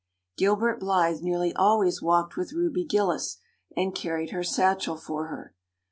Gilbert Blythe nearly always walked with Ruby Gillis and carried her satchel for her.